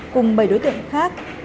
cùng bảy đối tượng khác